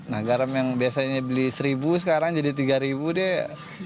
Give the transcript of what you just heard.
nah garam yang biasanya beli seribu sekarang jadi rp tiga deh